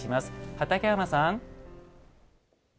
畠山さん。